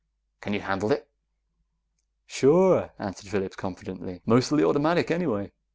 "Can you handle it?" "Sure," answered Phillips confidently. "Mostly automatic anyway."